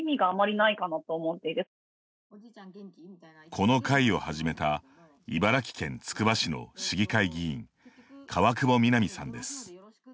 この会を始めた茨城県つくば市の市議会議員川久保皆実さんです。